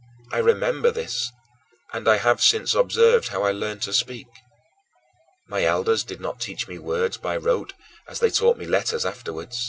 I remember this, and I have since observed how I learned to speak. My elders did not teach me words by rote, as they taught me my letters afterward.